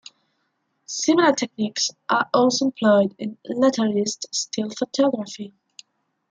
Similar techniques are also employed in Letterist still photography.